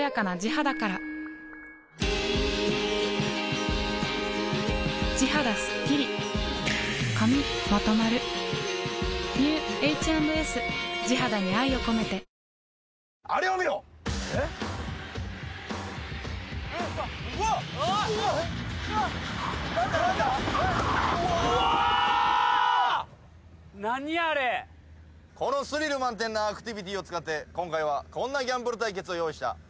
このスリル満点なアクティビティを使って今回はこんなギャンブル対決を用意した。